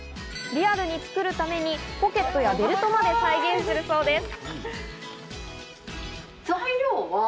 リアルに作るためにポケットやベルトまで再現するそうです。